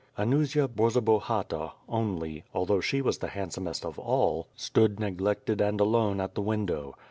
Anusia Borzoba hata, only, although sihe was the handsomest of all, stood neglected and alone at the window.